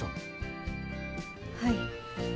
はい。